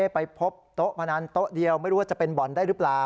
ไปพบโต๊ะพนันโต๊ะเดียวไม่รู้ว่าจะเป็นบ่อนได้หรือเปล่า